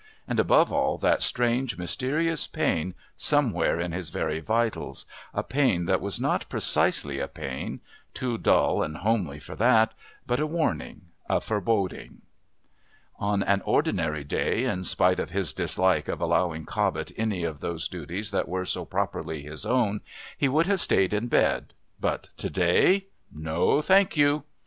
and, above all, that strange, mysterious pain somewhere in his very vitals, a pain that was not precisely a pain, too dull and homely for that, but a warning, a foreboding. On an ordinary day, in spite of his dislike of allowing Cobbett any of those duties that were so properly his own, he would have stayed in bed, but to day? no, thank you!